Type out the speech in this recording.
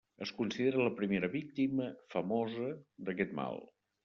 Es considera la primera víctima famosa d'aquest mal.